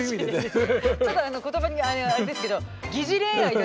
ちょっと言葉あれですけどあ